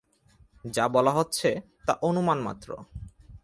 যা বলা হচ্ছে, তা অনুমান মাত্র।